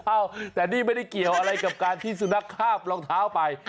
เอ้าแต่นี่ไม่ได้เกี่ยวอะไรกับการที่สุนัขคาบรองเท้าไป